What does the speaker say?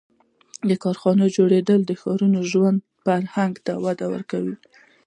• د کارخانو جوړېدو د ښاري ژوند فرهنګ ته وده ورکړه.